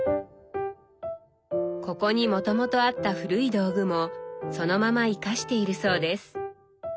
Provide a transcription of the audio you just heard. ここにもともとあった古い道具もそのまま生かしているそうです。